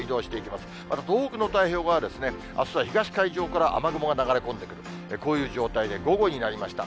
また東北の太平洋側は、あすは東海上から雨雲が流れ込んでくる、こういう状態で、午後になりました。